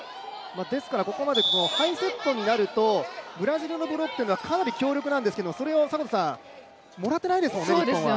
ここまでハイセットになるとブラジルのブロックはかなり強力なんですけど、それをもらってないんですよね、日本は。